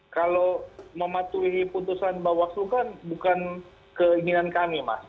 kalau mematuhi putusan bawaslu kan bukan keinginan kami mas